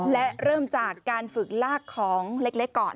และเริ่มจากการฝึกลากของเล็กก่อน